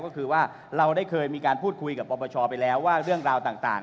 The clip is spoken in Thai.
ก็คือว่าเราได้เคยมีการพูดคุยกับปปชไปแล้วว่าเรื่องราวต่าง